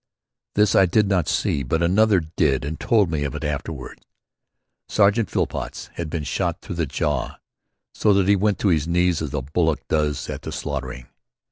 This I did not see, but another did and told me of it afterward. Sergeant Phillpots had been shot through the jaw so that he went to his knees as a bullock does at the slaughtering.